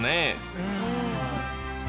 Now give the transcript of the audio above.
うん。